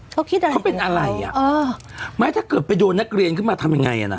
เขาเป็นอะไรอ่ะเออไหมถ้าเกิดไปโยนนักเรียนขึ้นมาทำยังไงอ่ะน่ะ